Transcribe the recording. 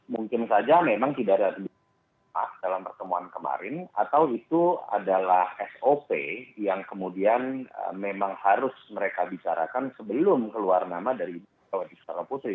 mungkin saja memang tidak ada dalam pertemuan kemarin atau itu adalah sop yang kemudian memang harus mereka bicarakan sebelum keluar nama dari ibu megawati soekarno putri